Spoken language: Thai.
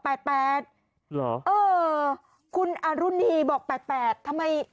หรอเออคุณอรุณีบอก๘๘